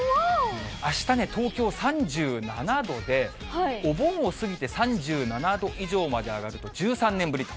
あしたね、東京３７度で、お盆を過ぎて３７度以上まで上がると、１３年ぶりと。